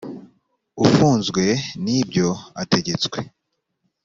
ufunzwe n ibyo ategetswe